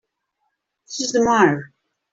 This is the Mayor.